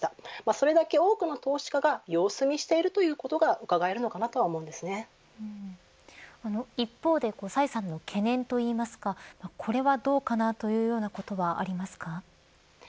それだけ多くの投資家が様子見しているということが一方で崔さんの懸念といいますかこれはどうかなというようなことはありますか。